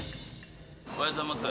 おはようございます。